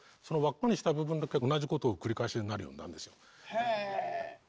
へえ！